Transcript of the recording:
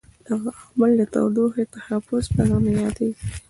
دغه عمل د تودوخې تحفظ په نامه یادیږي.